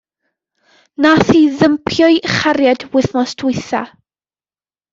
Nath hi ddympio'i chariad wythnos dwytha.